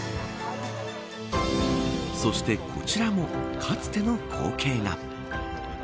そしてこちらもかつての光景が。